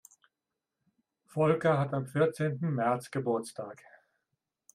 Volker hat am vierzehnten März Geburtstag.